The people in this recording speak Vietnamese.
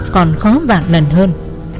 còn khó vạn lần hơn